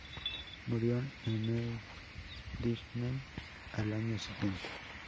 Murió en Emmendingen, al año siguiente.